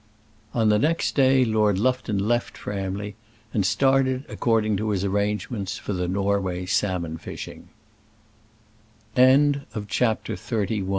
On the next day Lord Lufton left Framley; and started, according to his arrangements, for the Norway salmon fishing. CHAPTER XXXII. THE GOAT AND COMPASSES.